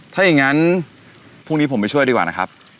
ถ้าอย่างนั้นพรุ่งนี้ผมไปช่วยดีกว่านะครับ